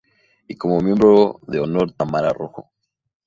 Y como miembro de Honor Tamara Rojo.